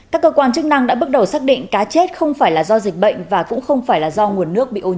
các cơ quan chức năng đã bước đầu xác định cá chết không phải là do dịch bệnh và cũng không phải là do nguồn nước bị ô nhiễm